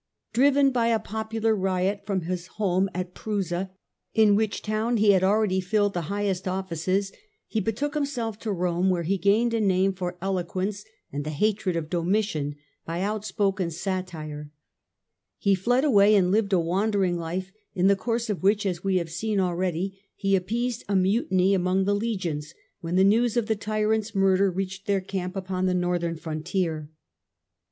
Driven by a popular riot from his home at Prusa, in which town he had already filled the highest offices, he betook himself to Rome, where he gained a name by eloquence, and the hatred of Domitian by outspoken satire. He fled away and lived a wandering life, in the course of which, as we have seen already (p. 6), he appeased a mutiny among the legions when the news of die tyranfls murder reached their camp upon the northern frontier.